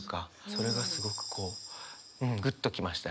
それがすごくこううんグッと来ましたね。